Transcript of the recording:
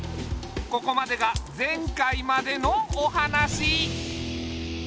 ここまでが前回までのお話。